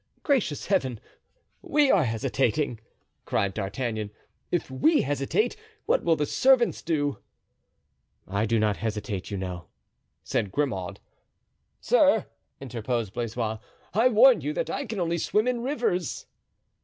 "Gracious Heaven, we are hesitating!" cried D'Artagnan; "if we hesitate what will the servants do?" "I do not hesitate, you know," said Grimaud. "Sir," interposed Blaisois, "I warn you that I can only swim in rivers."